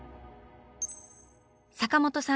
坂本さん